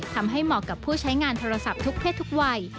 เหมาะกับผู้ใช้งานโทรศัพท์ทุกเพศทุกวัย